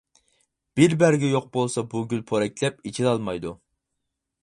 بىر بەرگى يوق بولسا بۇ گۈل پورەكلەپ ئېچىلالمايدۇ.